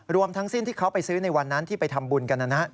รวมทั้งสิ้นที่เขาไปซื้อในวันนั้นที่ไปทำบุญกันนะครับ